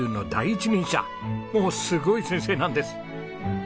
もうすごい先生なんです。